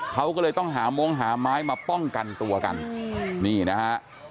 เขาก็เลยต้องหามงหาไม้มาป้องกันตัวกันนี่นะฮะ